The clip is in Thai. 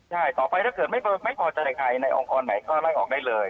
ถ้าอย่าตอบไปก็ไม่ต้องสร้างออกในองค์กรในในทางแต่ตอบไปแล้วก็ได้เลย